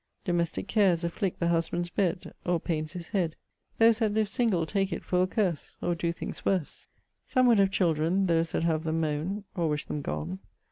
Domestick cares afflict the husband's bed Or paines his hed; Those that live single take it for a curse, Or doe things worse; Some would have children; those that have them mone, Or wish them gone.